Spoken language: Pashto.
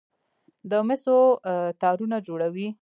د مسو تارونه جوړوي.